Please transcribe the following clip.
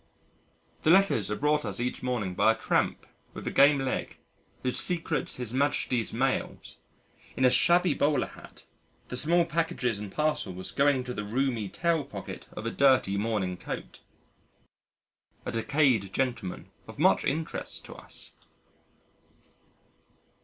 The letters are brought us each morning by a tramp with a game leg who secretes his Majesty's Mails in a shabby bowler hat, the small packages and parcels going to the roomy tail pocket of a dirty morning coat. A decayed gentleman of much interest to us.